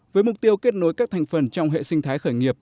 với mục tiêu kết nối các thành phần